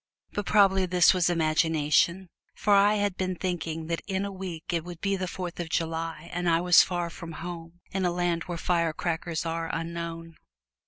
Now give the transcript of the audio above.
But possibly this was imagination, for I had been thinking that in a week it would be the Fourth of July and I was far from home in a land where firecrackers are unknown.